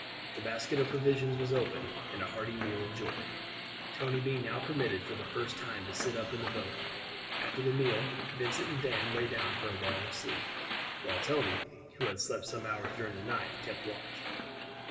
The basket of provisions was opened, and a hearty meal enjoyed, Tony being now permitted for the first time to sit up in the boat. After the meal Vincent and Dan lay down for a long sleep, while Tony, who had slept some hours during the night, kept watch.